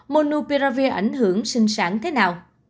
monopiravir ảnh hưởng sinh sản thế nào